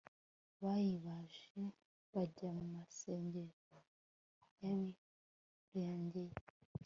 bayibabaje bajya mu masengero y'ahirengeye,